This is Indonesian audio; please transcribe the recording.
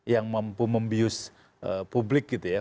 yang mampu membius publik gitu ya